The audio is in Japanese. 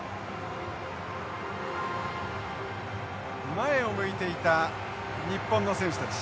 前を向いていた日本の選手たち。